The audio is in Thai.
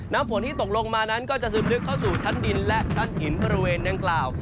ฝนที่ตกลงมานั้นก็จะซึมลึกเข้าสู่ชั้นดินและชั้นหินบริเวณดังกล่าว